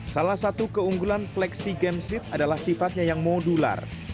salah satu keunggulan flexi game seat adalah sifatnya yang modular